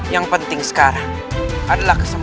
yang penting sekarang adalah kesempatan